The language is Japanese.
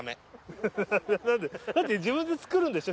フフフ何で。って自分で作るんでしょ？